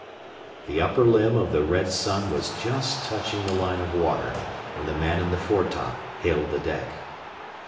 The upper limb of the red sun was just touching the line of water when the man in the foretop hailed the deck.